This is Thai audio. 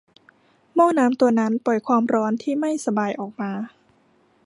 หม้อน้ำตัวนั้นปล่อยความร้อนที่ไม่สบายออกมา